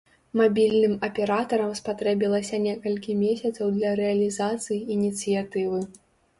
Мабільным аператарам спатрэбілася некалькі месяцаў для рэалізацыі ініцыятывы.